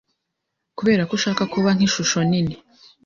Kubera ko ushaka kuba nkishusho nini